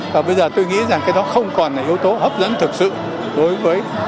và bây giờ tôi nghĩ rằng cái đó không còn là yếu tố hấp dẫn thực sự đối với